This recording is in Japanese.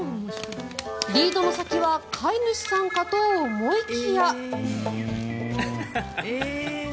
リードの先は飼い主さんかと思いきや。